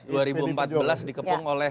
dua ribu empat belas dikepung oleh kmp indonesia